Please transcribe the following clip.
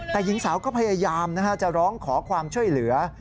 แต่หญิงสาวก็พยายามจะร้องขอความช่วยเหลือ